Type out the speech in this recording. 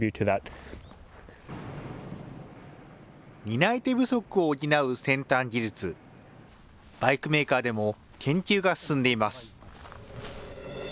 担い手不足を補う先端技術、バイクメーカーでも研究が進んでいます。